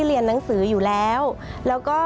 จนกระทั่งจบการศึกษาสูงสุดในระดับปริญญาเอกได้เป็นดร